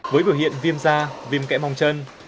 với biểu hiện viêm da viêm kẽ mòng chân